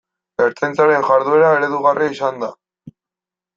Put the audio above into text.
Ertzaintzaren jarduera eredugarria izan da.